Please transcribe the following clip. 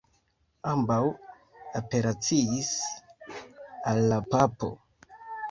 Ambaŭ apelaciis al la papo.